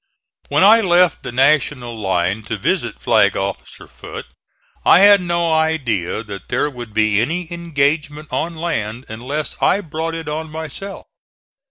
When I left the National line to visit Flag officer Foote I had no idea that there would be any engagement on land unless I brought it on myself.